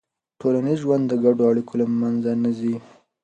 ټولنیز ژوند د ګډو اړیکو له منځه نه ځي.